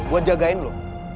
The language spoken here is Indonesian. buat jagain lu